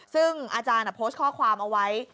ซึ่งอาจารย์โพสต์ข้อความเอาไว้